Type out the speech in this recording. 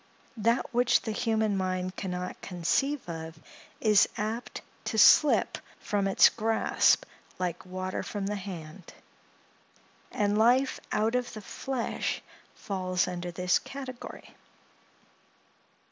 That which the human mind can not conceive of, is apt to slip from its grasp like water from the hand; and life out of the flesh falls under this category.